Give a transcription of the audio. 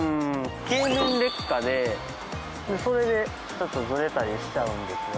経年劣化でそれでちょっとズレたりしちゃうんですよ。